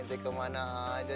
ini kemana aja